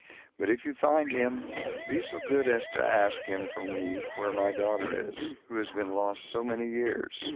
But if you find him, be so good as to ask him from me where my daughter is, who has been lost so many years.